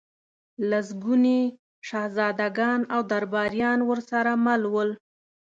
لسګوني شهزادګان او درباریان ورسره مل ول.